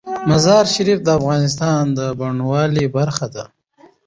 مزارشریف د افغانستان د بڼوالۍ برخه ده.